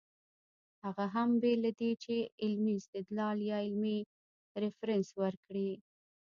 هغه هم بې له دې چې علمي استدلال يا علمي ريفرنس ورکړي